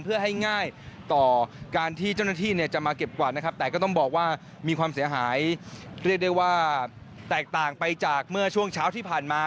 เพื่อให้ง่ายต่อการที่เจ้าหน้าที่เนี่ยจะมาเก็บกวาดนะครับแต่ก็ต้องบอกว่ามีความเสียหายเรียกได้ว่าแตกต่างไปจากเมื่อช่วงเช้าที่ผ่านมา